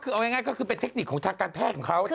คือเอาง่ายก็คือเป็นเทคนิคของทางการแพทย์ของเขา